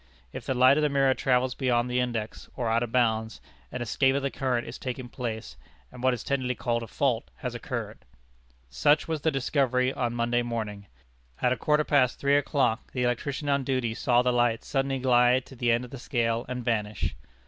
If the light of the mirror travels beyond the index, or out of bounds, an escape of the current is taking place, and what is technically called a fault has occurred." Such was the discovery on Monday morning. At a quarter past three o'clock the electrician on duty saw the light suddenly glide to the end of the scale and vanish.